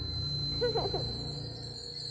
フフフ！